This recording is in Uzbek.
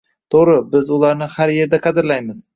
To‘g‘ri, biz ularni har yerda qadrlaymiz